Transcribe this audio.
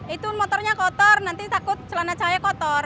itu motornya kotor nanti takut celana cahaya kotor